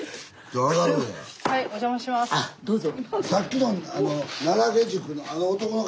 あどうぞ。